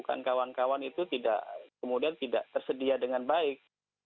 dilakukan kawan kawan itu tidak tersedia dengan baik